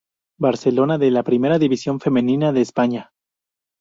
Barcelona de la Primera División Femenina de España.